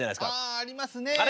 ああありますねえ。